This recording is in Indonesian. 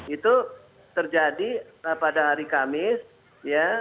itu terjadi pada hari kamis ya